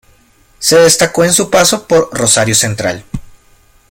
Se destacó en su paso por Rosario Central.